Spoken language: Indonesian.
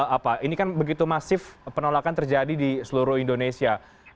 apa ini kan begitu masif penolakan terjadi di seluruh indonesia